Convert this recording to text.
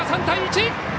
３対１！